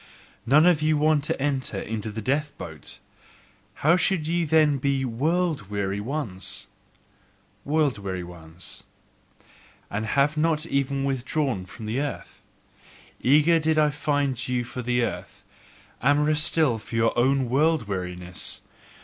None of you want to enter into the death boat! How should ye then be WORLD WEARY ones! World weary ones! And have not even withdrawn from the earth! Eager did I ever find you for the earth, amorous still of your own earth weariness!